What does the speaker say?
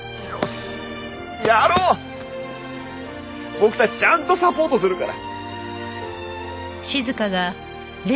僕たちちゃんとサポートするから！